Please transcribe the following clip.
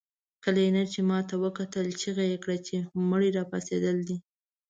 کلينر چې ماته وکتل چيغه يې کړه چې مړی راپاڅېدلی دی.